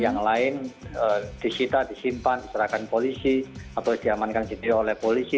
yang lain disita disimpan diserahkan polisi atau diamankan sendiri oleh polisi